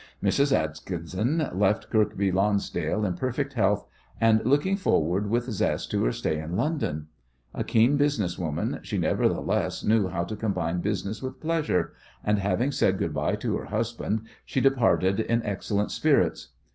Mrs. Atkinson left Kirkby Lonsdale in perfect health, and looking forward with zest to her stay in London. A keen business woman, she, nevertheless, knew how to combine business with pleasure, and, having said good bye to her husband, she departed in excellent spirits.